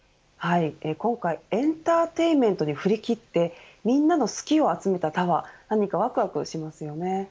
今回エンターテインメントに振り切ってみんなの好きを集めたタワー何かわくわくしますよね。